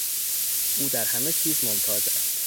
او در همه چیز ممتاز است.